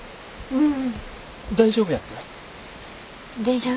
うん。